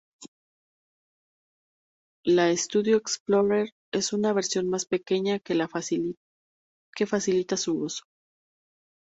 La Studio Explorer es una versión más pequeña que facilita su uso.